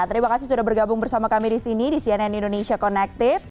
terima kasih sudah bergabung bersama kami di sini di cnn indonesia connected